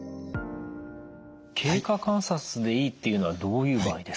経過観察でいいっていうのはどういう場合ですか？